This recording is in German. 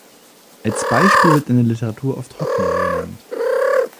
Als Beispiel wird in der Literatur oft Hotmail genannt.